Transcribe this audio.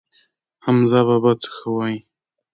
حمزه بابا څه ښه وايي.